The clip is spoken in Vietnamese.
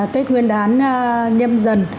tết nguyên đán nhâm dần